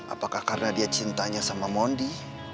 apakah karena dia cintanya sama mondi